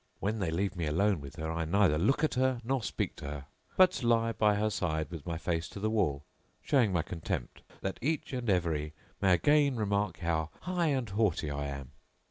When they leave me alone with her I neither look at her nor speak to her, but lie[FN#667] by her side with my face to the wall showing my contempt, that each and every may again remark how high and haughty I am.